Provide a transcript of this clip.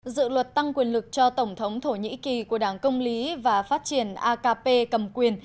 dự luật tăng quyền lực cho tổng thống thổ nhĩ kỳ của đảng công lý và phát triển akp cầm quyền